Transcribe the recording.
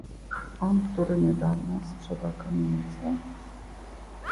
"On, który niedawno sprzedał kamienicę?..."